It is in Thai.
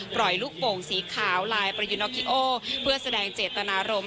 ปล่อยลูกโป่งสีขาวลายประยูนอคิโอเพื่อแสดงเจตนารมณ์